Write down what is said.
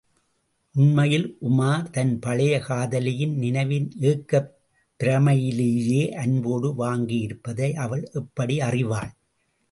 உண்மையில் உமார் தன் பழைய காதலியின் நினைவின் ஏக்கப் பிரமையிலேயே அன்போடு வாங்கியிருப்பதை அவள் எப்படி அறிவாள்?